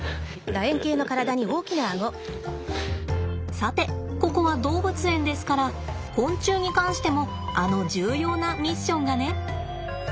さてここは動物園ですから昆虫に関してもあの重要なミッションがね。